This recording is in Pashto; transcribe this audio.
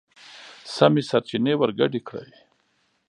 سمې سرچينې ورګډې کړئ!.